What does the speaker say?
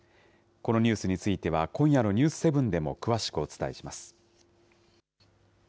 このニュースについては、今夜のニュース７でも詳しくお伝えします。